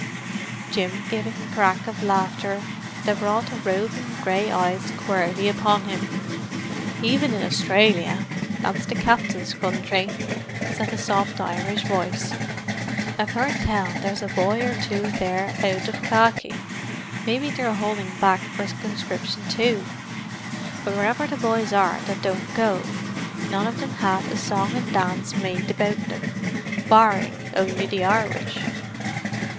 Jim gave a crack of laughter that brought the roving grey eye squarely upon him. "Even in Australia, that's the Captain's country," said the soft Irish voice, "I've heard tell there's a boy or two there out of khaki—maybe they're holding back for conscription too. But wherever the boys are that don't go, none of them have a song and dance made about them, barring only the Irish."